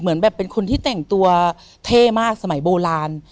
เหมือนแบบเป็นคนที่แต่งตัวเท่มากสมัยโบราณ